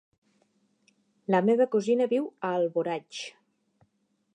La meva cosina viu a Alboraig.